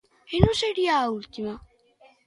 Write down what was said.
E non sería a última.